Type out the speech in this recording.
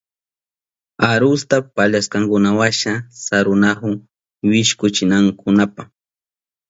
Arusta pallashkankunawasha sarunahun wishkuchinankunapa.